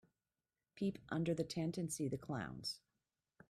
Peep under the tent and see the clowns.